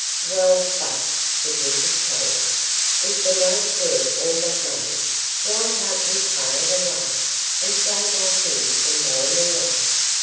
"Well, but," said Mrs Tulliver, "if the note's worth all that money, why can't we pay it away, and save my things from going away?